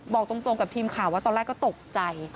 บอกตรงกับทีมข่าวว่าตอนแรกก็ตกใจ